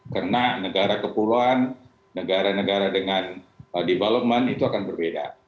karena negara kepulauan negara negara dengan development itu akan berbeda